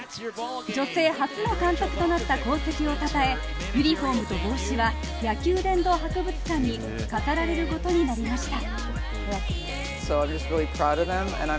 女性初の監督となった功績をたたえ、ユニフォームと帽子は野球殿堂博物館に飾られることになりました。